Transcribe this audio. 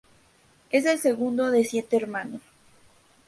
Es el segundo de siete hermanos.